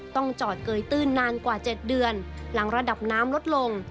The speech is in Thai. ต้องจอดเกยตื้นนานกว่า๗เดือนหลังระดับน้ำลดลง